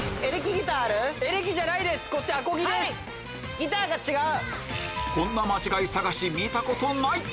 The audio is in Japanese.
ギターが違う。